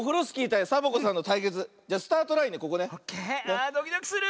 ああドキドキする！